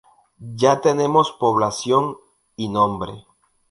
Ya tenemos población y nombre.